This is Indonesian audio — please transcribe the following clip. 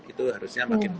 itu harusnya makin banyak